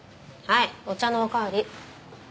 はいお茶のお代わり。